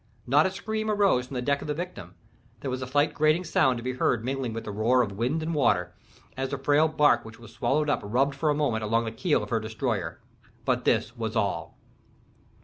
Not a scream arose from the deck of the victim—there was a slight grating sound to be heard mingling with the roar of wind and water, as the frail bark which was swallowed up rubbed for a moment along the keel of her destroyer—but this was all.